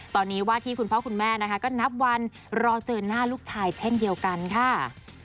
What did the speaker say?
ตอนนี้ว่าที่คุณพ่อคุณแม่นะคะก็นับวันรอเจอหน้าลูกชายเช่นเดียวกันค่ะ